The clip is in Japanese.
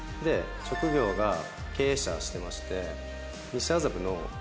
職業が経営者してまして。